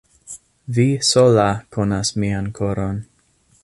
Vi sola konas mian koron.